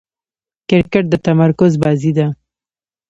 کرکټ د تمرکز بازي ده.